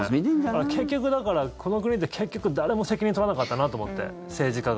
結局、だからこの国って結局、誰も責任取らなかったなと思って政治家が。